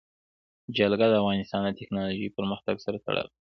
جلګه د افغانستان د تکنالوژۍ پرمختګ سره تړاو لري.